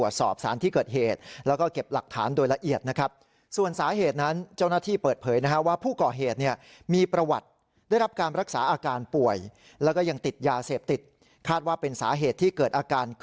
เจ้าหน้าที่วิทยาอาการเวร